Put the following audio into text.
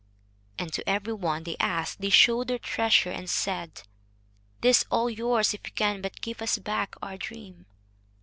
And to every one they asked they showed their treasure and said: "This is all yours if you can but give us back our dream."